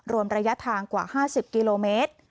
รวมระยะทางกว่า๕๐กิโลเมตร